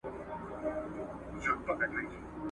لکه زموږ په ټولنه کي چي ګڼل کېږي